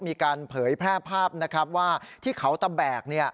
มีการเผยแพร่ภาพว่าที่เขาตะแบก